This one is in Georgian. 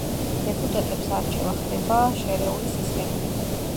დეპუტატებს არჩევა ხდება შერეული სისტემით.